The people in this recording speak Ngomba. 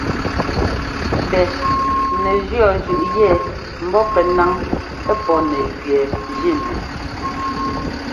Tɛ nɛjʉɔ́ zʉꞌ yɛ mbɔ pɛ́ ńnaŋ pɔ́ nɛ gẅɛɛ jínu.